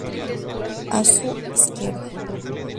A su izq.